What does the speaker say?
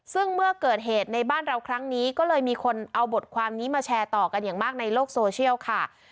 ซึ่งเมื่อเกิดเหตุในบ้านเราครั้งนี้ก็เลยมีคนเอาบทความนี้มาแชร์ต่อกันอย่างมากในโลกโซเชียลค่ะ